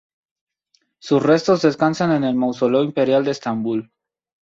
Sus restos descansan en el mausoleo imperial de Estambul.